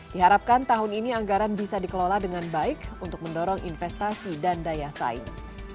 diharapkan tahun ini anggaran bisa dikelola dengan baik untuk mendorong investasi dan daya saing